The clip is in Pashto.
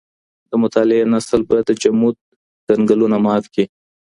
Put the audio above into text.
د مطالعې نسل به د جمود کنګلونه مات کړي.